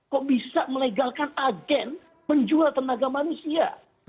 kok bisa melegalkan agen menjual tenaga manusia